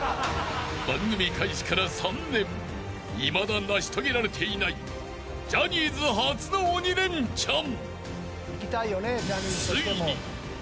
［いまだ成し遂げられていないジャニーズ初の鬼レンチャン］